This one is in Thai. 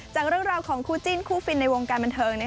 จากเรื่องราวของคู่จิ้นคู่ฟินในวงการบันเทิง